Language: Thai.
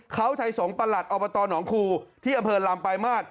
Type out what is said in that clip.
เขาใช้สองประหลัดออบตหนองคู่ที่อำเภอลำไปมาก